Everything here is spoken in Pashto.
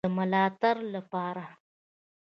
د ملاتړ لپاره